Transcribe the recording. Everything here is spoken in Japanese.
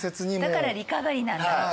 だからリカバリーなんだ。